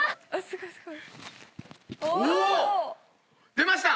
出ました。